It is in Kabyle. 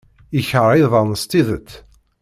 Yekṛeh iḍan s tidet.